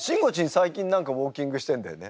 最近何かウォーキングしてんだよね？